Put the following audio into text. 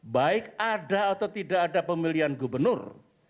baik ada atau tidak ada pemilihan gubernur